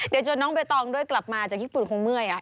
เดี๋ยวจนน้องใบตองด้วยกลับมาจากญี่ปุ่นคงเมื่อย